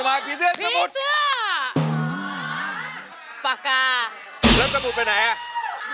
รองได้ให้ลาด